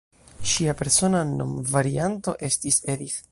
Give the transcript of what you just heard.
Ŝia persona nomvarianto estis "Edith".